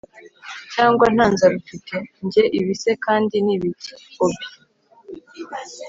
cyangwa ntanzara ufite!? njye ibi se kandi nibiki!? bobi